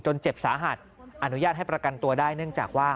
เจ็บสาหัสอนุญาตให้ประกันตัวได้เนื่องจากว่า